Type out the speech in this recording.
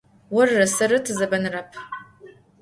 Vorıre serıre tızebenırep.